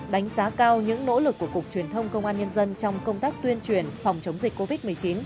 đánh giá cao những nỗ lực của cục truyền thông công an nhân dân trong công tác tuyên truyền phòng chống dịch covid một mươi chín